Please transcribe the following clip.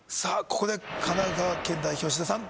ここで神奈川県代表志田さん